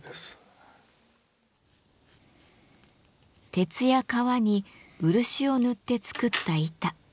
鉄や革に漆を塗って作った板。